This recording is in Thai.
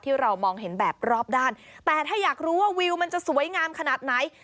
ที่เรามองเห็นแบบรอบด้านแต่ถ้าอยากรู้ว่าวิวมันจะสวยงามขนาดไหน